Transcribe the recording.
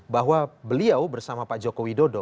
bahwa beliau bersama pak joko widodo